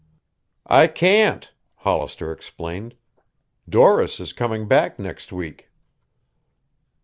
"I can't," Hollister explained. "Doris is coming back next week."